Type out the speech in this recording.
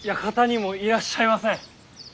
館にもいらっしゃいません。